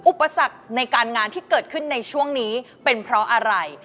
อุปสรรคในการงานที่เกิดขึ้นในช่วงนี้เป็นเพราะอะไร